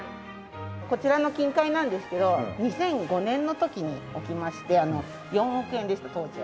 こちらの金塊なんですけど２００５年の時に置きまして４億円でした当時は。